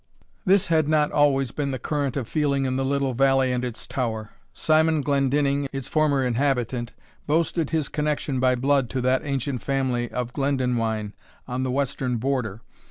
This had not always been the current of feeling in the little valley and its tower. Simon Glendinning, its former inhabitant, boasted his connexion by blood to that ancient family of Glendonwyne, on the western border.